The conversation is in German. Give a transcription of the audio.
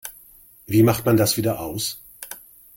Wie macht man das wieder aus?